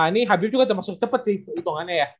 ini habib juga udah masuk cepet sih hitungannya ya